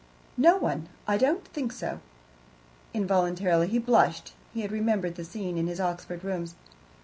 "No one. I don't think so." Involuntarily he blushed. He had remembered the scene in his Oxford rooms.